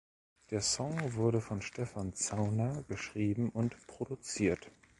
Der Song wurde von Stefan Zauner geschrieben und produziert.